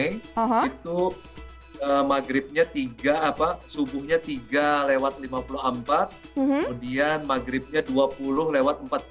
itu maghribnya tiga apa subuhnya tiga lewat lima puluh empat kemudian maghribnya dua puluh lewat empat puluh